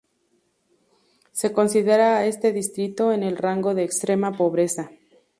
Se considera a este distrito en el rango de extrema pobreza.